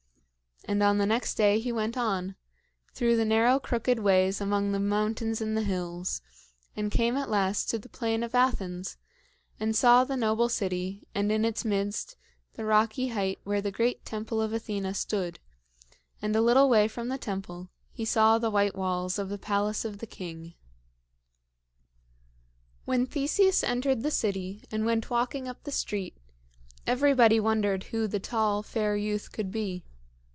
And on the next day he went on, through the narrow crooked ways among the mountains and hills, and came at last to the plain of Athens, and saw the noble city and, in its midst, the rocky height where the great Temple of Athena stood; and, a little way from the temple, he saw the white walls of the palace of the king. When Theseus entered the city and went walking up the street everybody wondered who the tall, fair youth could be.